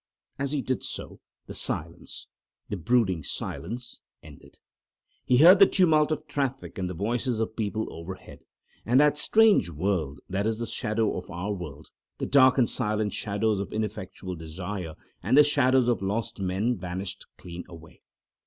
As he did so, the silence—the brooding silence—ended; he heard the tumult of traffic and the voices of people overhead, and that strange world that is the shadow of our world—the dark and silent shadows of ineffectual desire and the shadows of lost men—vanished clean away.